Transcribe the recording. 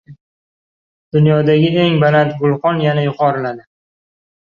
Dunyodagi eng baland vulqon yana yuqoriladi